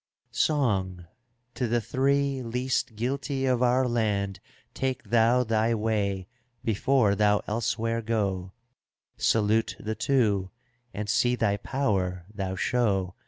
^^ Song, to the three least guilty of our land Take thou thy way before thou elsewhere go; Salute the two, and see thy power thou show.